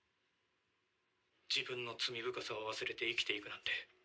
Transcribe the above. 自分の罪深さを忘れて生きていくなんて